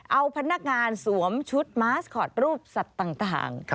เอาพนักงานสวมชุดมาสคอตรูปสัตว์ต่าง